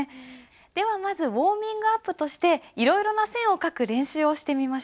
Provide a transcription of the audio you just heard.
ではまずウォーミングアップとしていろいろな線を書く練習をしてみましょう。